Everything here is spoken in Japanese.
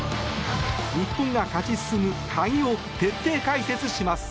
日本が勝ち進む鍵を徹底解説します。